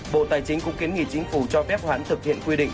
bộ tài chính cũng kiến nghị chính phủ cho phép hoãn thực hiện quy định